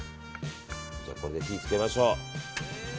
これで火を付けましょう。